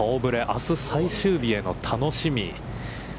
あす最終日への楽しみ。